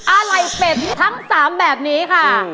อะไรเป็ดทั้ง๓แบบนี้ค่ะ